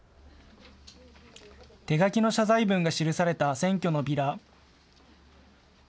手書きの謝罪文が記された選挙ビラ。